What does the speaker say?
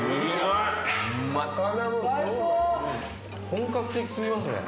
・本格的過ぎますね。